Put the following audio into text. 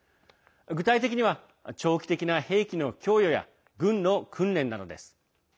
具体的には長期的な兵器の供与や軍の訓練などです。